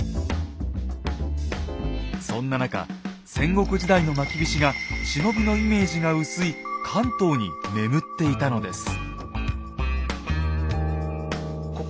そんな中戦国時代のまきびしが忍びのイメージが薄い関東に眠っていたのです。